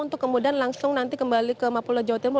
untuk kemudian langsung nanti kembali ke mapolda jawa timur